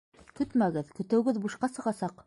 Көтмәгеҙ, көтөүегеҙ бушҡа сығасаҡ.